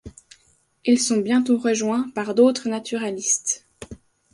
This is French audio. Ils sont bientôt rejoints par d’autres naturalistes.